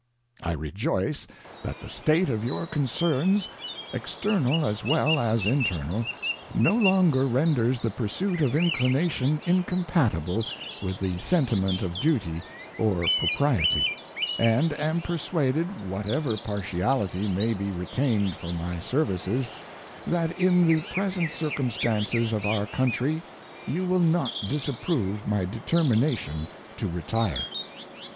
I rejoice that the state of your concerns, external as well as internal, no longer ren ders the pursuit of inclination incompatible with the sentiment of duty or propriety; and am persuaded, whatever partiality may be retained for my services, that in the pres ent circumstances of our country you will not disapprove my determination to retire.